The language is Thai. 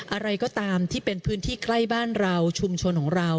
อะไรก็ตามที่เป็นพื้นที่ใกล้บ้านเราชุมชนของเรา